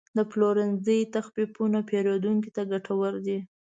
د پلورنځي تخفیفونه پیرودونکو ته ګټور دي.